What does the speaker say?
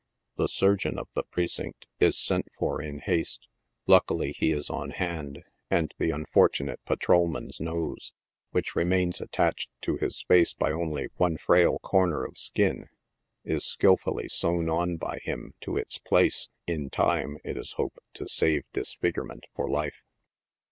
The surgeon of the precinct is sent for in haste. Luck ily he is on hand, and the unfortunate patrolman's nose, which re mains attached to his face by only one frail corner of skin, is skill fully sewn on by him to its place, in time, it is hoped, to save dis figurement for life.